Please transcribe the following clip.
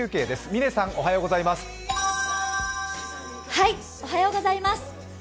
嶺さん、おはようございます。